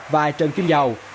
và trần kim dầu